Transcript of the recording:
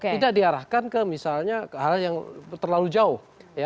tidak diarahkan ke hal yang terlalu jauh